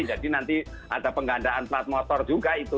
jadi nanti ada penggandaan plat motor juga itu